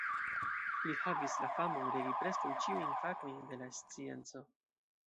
Li havis la famon, regi preskaŭ ĉiujn fakojn de la scienco.